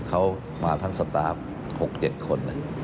เขามาทั้งสตาร์ฟ๖๗คน